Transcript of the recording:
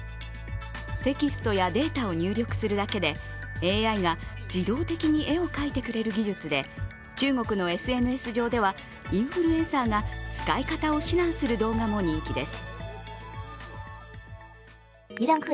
テキストやデータを入力するだけで、ＡＩが自動的に絵を描いてくれる技術で中国のＳＮＳ上ではインフルエンサーが使い方を指南する動画も人気です。